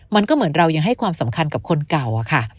มันก็เหมือนเรายังให้ความสำคัญกับคนเก่าอะค่ะ